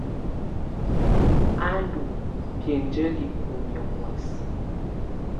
Á ndɔ́ biǝ́njǝ́li kúmiǝ́ muɛsɛ.